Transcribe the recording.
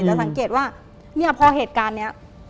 สังเกตว่าเนี่ยพอเหตุการณ์นี้